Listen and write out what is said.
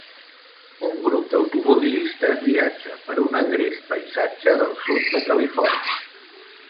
Un grup d'automobilistes viatja per un agrest paisatge del sud de Califòrnia.